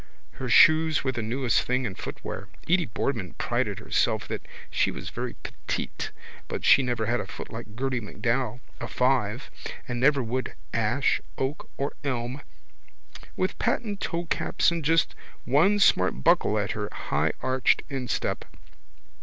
Her shoes were the newest thing in footwear (Edy Boardman prided herself that she was very petite but she never had a foot like Gerty MacDowell, a five, and never would ash, oak or elm) with patent toecaps and just one smart buckle over her higharched instep.